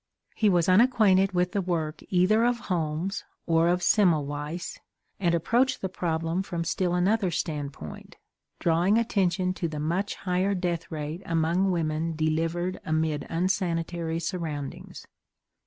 He was unacquainted with the work either of Holmes or of Semmelweiss, and approached the problem from still another standpoint, drawing attention to the much higher deathrate among women delivered amid unsanitary surroundings.